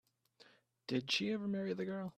Did she ever marry the girl?